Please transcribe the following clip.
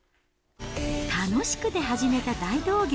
楽しくて始めた大道芸。